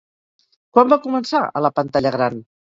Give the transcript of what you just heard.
Quan va començar a la pantalla gran?